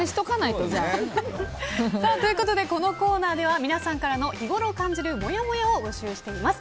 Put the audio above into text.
このコーナーでは皆さんからの日ごろ感じるもやもやを募集しています。